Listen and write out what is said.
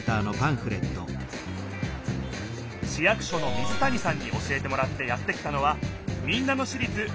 市役所の水谷さんに教えてもらってやって来たのは民奈野市立ふれあい